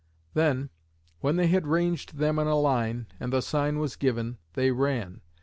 Then, when they had ranged them in a line, and the sign was given, they ran.